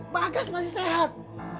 bagas masih sehat